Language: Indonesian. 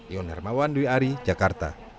ion hermawan dwi ari jakarta